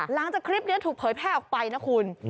หลังจากคลิปนี้ถูกเผยแพร่ออกไปนะคุณ